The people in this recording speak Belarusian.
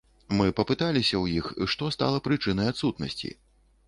Мы папыталіся ў іх, што стала прычынай адсутнасці.